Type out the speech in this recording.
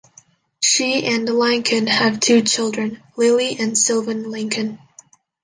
She and Lanken have two children, Lily and Sylvan Lanken.